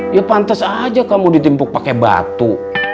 ya pantes aja kamu ditimpuk pake batu